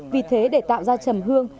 vì thế để tạo ra trầm hương